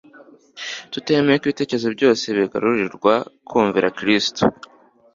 tutemeye ko ibitekerezo byose bigarurirwa kumvira Kristo.